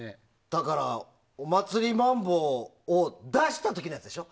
だから「お祭りマンボ」を出した時のやつでしょ。